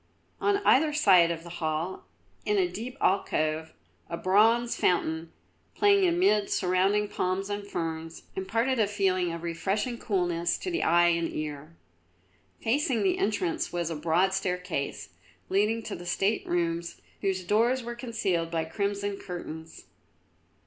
On either side of the hall, in a deep alcove, a bronze fountain, playing amid surrounding palms and ferns, imparted a feeling of refreshing coolness to the eye and ear. Facing the entrance was a broad staircase, leading to the state rooms whose doors were concealed by crimson curtains.